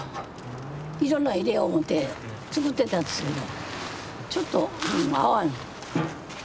いろんなの入れよう思うて作ってたんですけどちょっとまあ合わん。